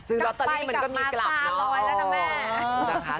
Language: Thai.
ซื้อหรอตะลี่ก็มีกลับเนาะ